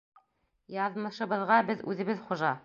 — Яҙмышыбыҙға беҙ үҙебеҙ хужа.